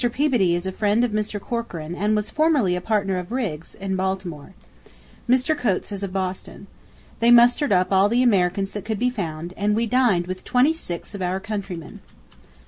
Peabody is a friend of Mr. Corcoran and was formerly a partner of Mr. Riggs in Baltimore. Mr. Coates is of Boston. ... They mustered up all the Americans that could be found, and we dined with twenty six of our countrymen.